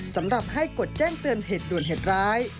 สำหรับให้กดแจ้งเตือนเหตุด่วนเหตุร้าย